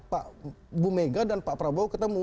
pak bu mega dan pak prabowo ketemu